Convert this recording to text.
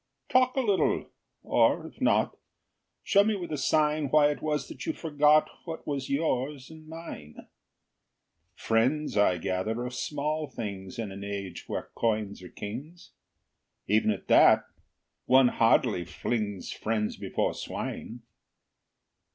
Talk a little; or, if not, Show me with a sign Why it was that you forgot What was yours and mine. Friends, I gather, are small things In an age when coins are kings; Even at that, one hardly flings Friends before swine.